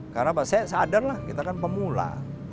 karena pak saya sadarlah kita kan pemula